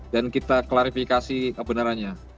dan kita klarifikasi kebenarannya